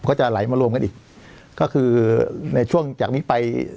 ก็จะไหลมารวมกันอีกก็คือในช่วงจากนี้ไป